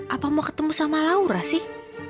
apa mau ketemu sama laura sih